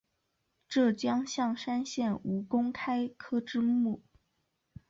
浙江象山县吴公开科之墓